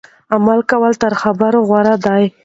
عمل کول تر خبرو غوره دي.